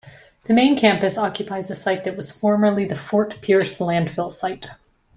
The main campus occupies a site that was formerly the Fort Pierce landfill site.